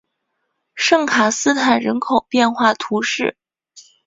圣卡斯坦人口变化图示